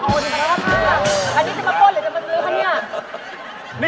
ตอนนี้จะมาโบ้นหรือจะมาทำปี๊ะนี่